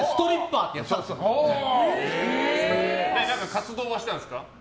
活動はしてたんですか？